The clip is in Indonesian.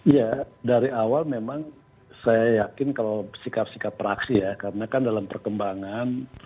ya dari awal memang saya yakin kalau sikap sikap praksi ya karena kan dalam perkembangan